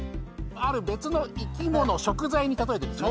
ある別の生き物食材に例えてるんですね。